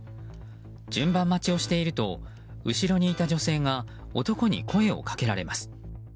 順番待ちをしていると後ろにいた女性が男に声をかけられます。